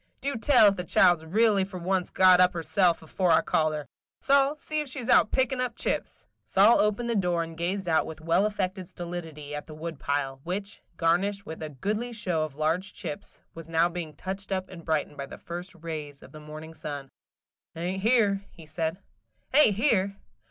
Do tell if the child 's really for once got up of herself afore I called her. Sol, see if she 's out pickin' up chips!" Sol opened the door and gazed out with well affected stolidity at the wood pile, which, garnished with a goodly show of large chips, was now being touched up and brightened by the first rays of the morning sun. "Ain't here," he said. "Ain't here?